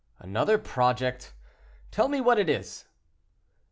"Another project: tell me what it is."